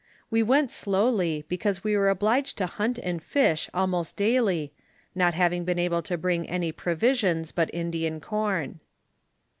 We went slowly, because we were obliged to hunt and Ush almost daily, not having been able to bring any provisions but In dian corn.